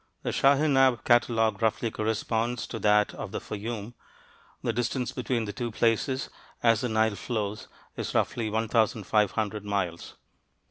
The Shaheinab catalogue roughly corresponds to that of the Fayum; the distance between the two places, as the Nile flows, is roughly 1,500 miles.